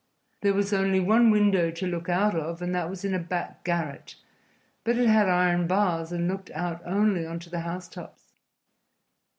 There was only one window to look out of, and that was in a back garret, but it had iron bars and looked out only on to the housetops.